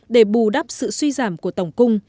để bù đắp sự suy giảm của tổng cung